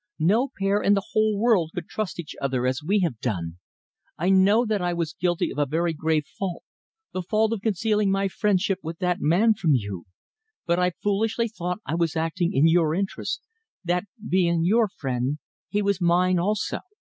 No pair in the whole world could trust each other as we have done. I know that I was guilty of a very grave fault the fault of concealing my friendship with that man from you. But I foolishly thought I was acting in your interests that being your friend, he was mine also.